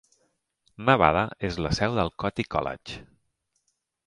Nevada és la seu del Cottey College.